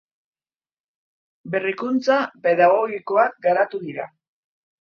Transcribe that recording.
Berrikuntza Pedagogikoak garatu dira.